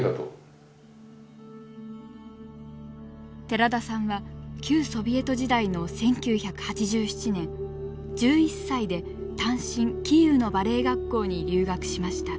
寺田さんは旧ソビエト時代の１９８７年１１歳で単身キーウのバレエ学校に留学しました。